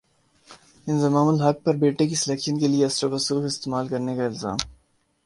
انضمام الحق پر بیٹے کی سلیکشن کیلئے اثرورسوخ استعمال کرنے کا الزام